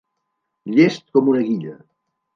Llest com una guilla.